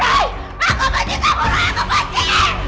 aku benci tante muroh aku benci